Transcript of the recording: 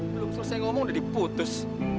belum selesai ngomong udah diputus